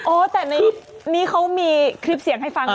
แต่ในนี้เขามีคลิปเสียงให้ฟัง